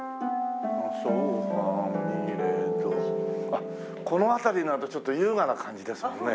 あっこの辺りになるとちょっと優雅な感じですもんね。